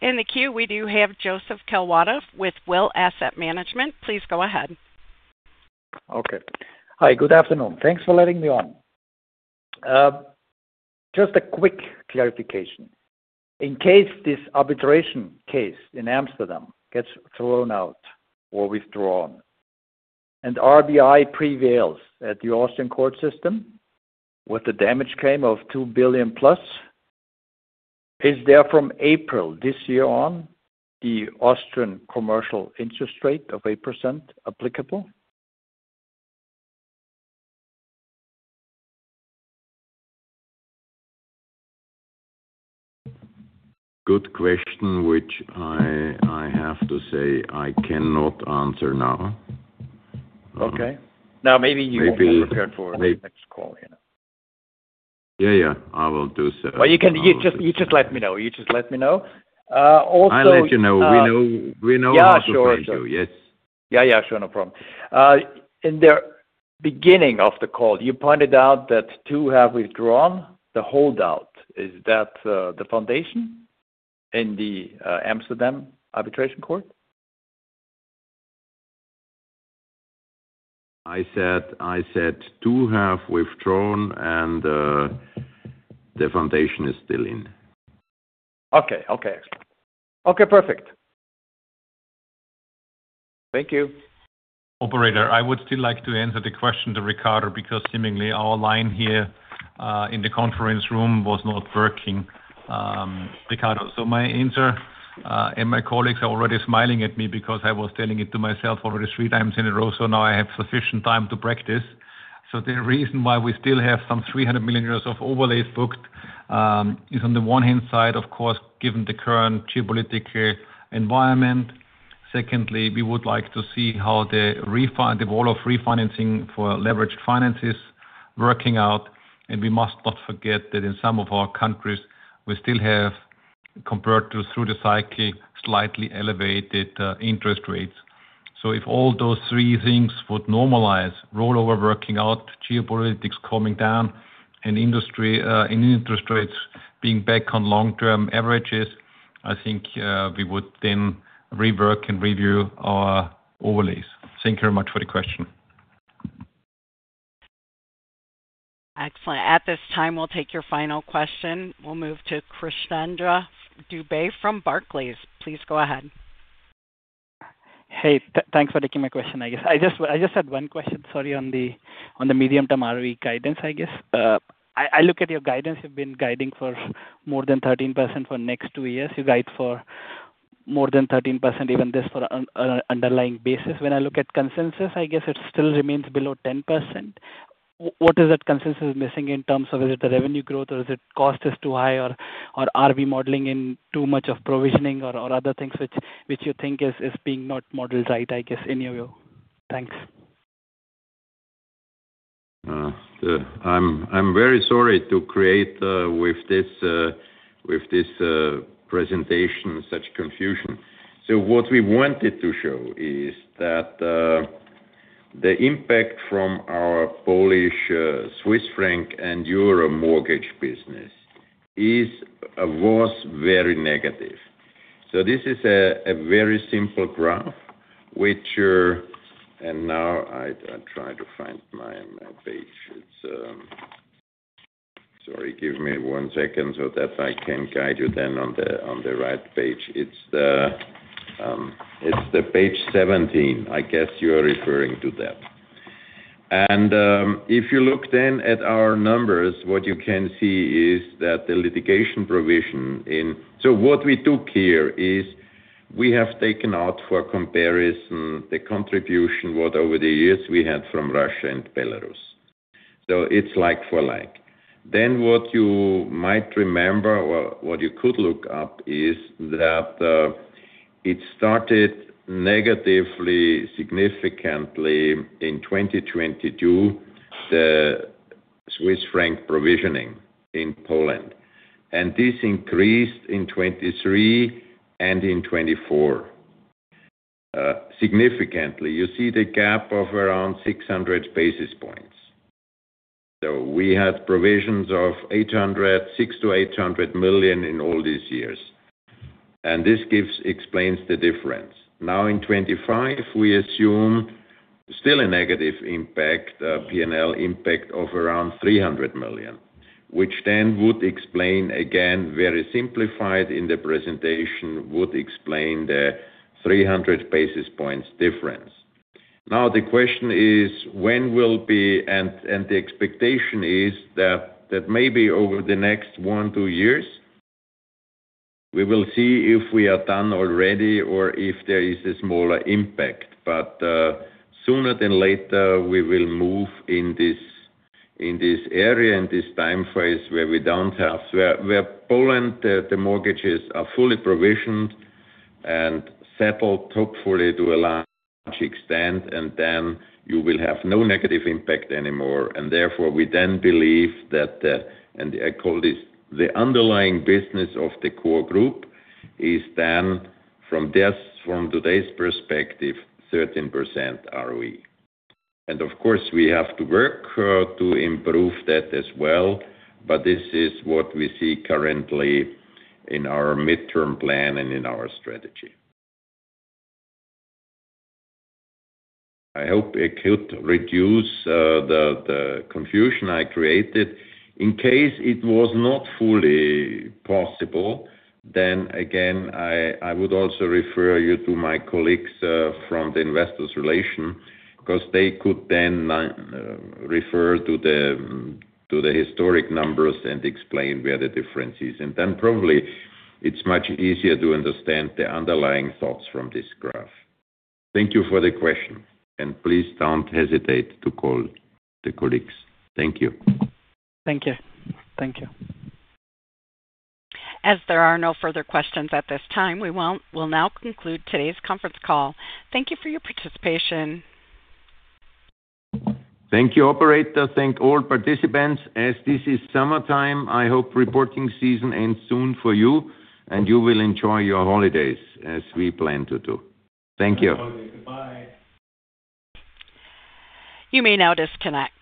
In the queue, we do have Joseph Kalwoda with Will Asset Management. Please go ahead. Okay. Hi. Good afternoon. Thanks for letting me on. Just a quick clarification. In case this arbitration case in Amsterdam gets thrown out or withdrawn, and RBI prevails at the Austrian court system with the damage claim of 2 billion plus, is there from April this year on the Austrian commercial interest rate of 8% applicable? Good question, which I have to say I cannot answer now. Okay. Now, maybe you will prepare for the next call. Yeah, yeah. I will do so. You just let me know. You just let me know. Also. I'll let you know. We know what to do. Yeah, sure. Yes. Yeah, yeah. Sure. No problem. In the beginning of the call, you pointed out that two have withdrawn the holdout. Is that the foundation in the Amsterdam arbitration court? I said two have withdrawn, and the foundation is still in. Okay. Okay. Excellent. Okay. Perfect. Thank you. Operator, I would still like to answer the question to Riccardo because seemingly our line here in the conference room was not working. Riccardo, so my answer and my colleagues are already smiling at me because I was telling it to myself already 3x in a row. Now I have sufficient time to practice. The reason why we still have some 300 million euros of overlays booked is on the one hand side, of course, given the current geopolitical environment. Secondly, we would like to see how the role of refinancing for leveraged finances is working out. We must not forget that in some of our countries, we still have, compared to through the cycle, slightly elevated interest rates. If all those three things would normalize, rollover working out, geopolitics coming down, and interest rates being back on long-term averages, I think we would then rework and review our overlays. Thank you very much for the question. Excellent. At this time, we'll take your final question. We'll move to Krishnendra Dubey from Barclays. Please go ahead. Hey, thanks for taking my question, I guess. I just had one question, sorry, on the medium-term ROE guidance, I guess. I look at your guidance, you've been guiding for more than 13% for next two years. You guide for more than 13%, even this for an underlying basis. When I look at consensus, I guess it still remains below 10%. What is that consensus missing in terms of is it the revenue growth or is it cost is too high or are we modeling in too much of provisioning or other things which you think is being not modeled right, I guess, in your view? Thanks. I'm very sorry to create with this presentation such confusion. What we wanted to show is that the impact from our Polish Swiss franc and euro mortgage business was very negative. This is a very simple graph, which—now I try to find my page. Sorry, give me one second so that I can guide you then on the right page. It's page 17, I guess you are referring to that. If you look then at our numbers, what you can see is that the litigation provision in—so what we took here is we have taken out for comparison the contribution what over the years we had from Russia and Belarus, so it's like for like. What you might remember or what you could look up is that it started negatively significantly in 2022. The Swiss franc provisioning in Poland, and this increased in 2023 and in 2024 significantly. You see the gap of around 600 basis points. We had provisions of 600 million-800 million in all these years, and this explains the difference. Now in 2025, we assume still a negative impact, P&L impact of around 300 million, which then would explain again, very simplified in the presentation, would explain the 300 basis points difference. The question is, when will be—and the expectation is that maybe over the next one or two years, we will see if we are done already or if there is a smaller impact. Sooner than later, we will move in this area and this time phase where we don't have—where Poland, the mortgages are fully provisioned and settled hopefully to a large extent, and then you will have no negative impact anymore. Therefore, we then believe that—and I call this the underlying business of the core group—is then from today's perspective, 13% ROE. Of course, we have to work to improve that as well, but this is what we see currently in our midterm plan and in our strategy. I hope it could reduce the confusion I created. In case it was not fully possible, then again, I would also refer you to my colleagues from the investors' relation because they could then refer to the historic numbers and explain where the difference is. Then probably it's much easier to understand the underlying thoughts from this graph. Thank you for the question, and please don't hesitate to call the colleagues. Thank you. Thank you. Thank you. As there are no further questions at this time, we will now conclude today's conference call. Thank you for your participation. Thank you, Operator. Thank all participants. As this is summertime, I hope reporting season ends soon for you, and you will enjoy your holidays as we plan to do. Thank you. Okay. Goodbye. You may now disconnect.